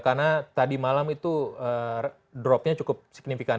karena tadi malam itu dropnya cukup signifikan